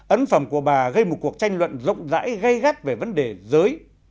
ấn phẩm của bà gây một cuộc tranh luận rộng rãi gây gắt về vấn đề giới